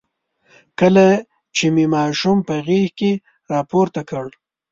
کله چې مې ماشوم په غېږ کې راپورته کړ.